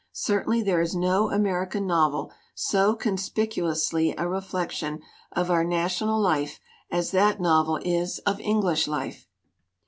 Certainly there is no American novel so con spicuously a reflection of our national life as that novel is of English life."